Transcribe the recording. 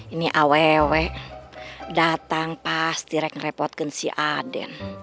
ini awewe datang pasti rek ngerepotkan si aden